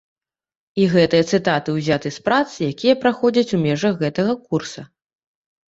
І гэтыя цытаты ўзяты з прац, якія праходзяць у межах гэтага курса.